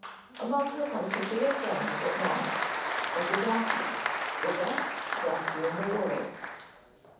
Among her particular friends at Nohant was a donkey the best donkey in the world.